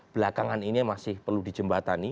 belakangan ini masih perlu dijembatani